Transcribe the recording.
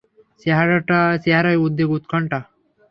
চেহারায় উদ্বেগ উৎকণ্ঠা।